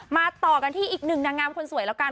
ต่อกันที่อีกหนึ่งนางงามคนสวยแล้วกัน